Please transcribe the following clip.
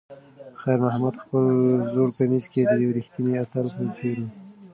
خیر محمد په خپل زوړ کمیس کې د یو ریښتیني اتل په څېر و.